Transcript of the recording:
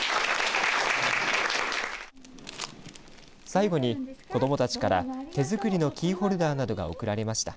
最後に子どもたちから手作りのキーホルダーなどが贈られました。